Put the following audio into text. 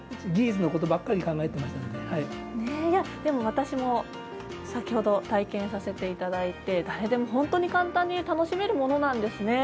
私も先ほど体験させていただいて誰でも本当に簡単に楽しめるものなんですね。